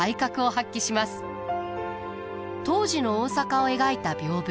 当時の大阪を描いた屏風。